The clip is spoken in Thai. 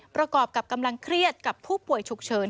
ประกอบกับกำลังเครียดกับผู้ป่วยฉุกเฉิน